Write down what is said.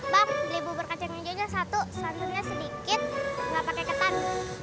pak beli bubur kacang hijaunya satu santurnya sedikit gak pakai ketan